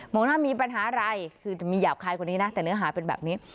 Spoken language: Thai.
งหน้ามีปัญหาอะไรคือมีหยาบคายกว่านี้นะแต่เนื้อหาเป็นแบบนี้